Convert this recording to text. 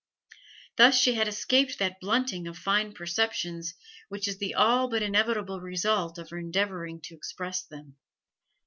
Thus she had escaped that blunting of fine perceptions which is the all but inevitable result of endeavouring to express them.